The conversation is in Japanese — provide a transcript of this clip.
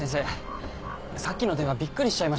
さっきの電話びっくりしちゃいました。